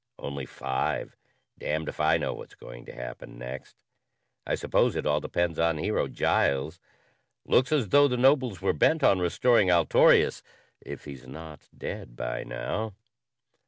"Only five. Damned if I know what's going to happen next. I suppose it all depends on Hero Giles. Looks as though the nobles were bent on restoring Altorius if he's not dead by now."